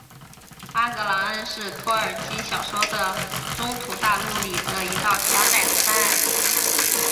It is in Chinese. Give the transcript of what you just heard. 阿格朗恩是托尔金小说的中土大陆里的一道狭窄的山隘。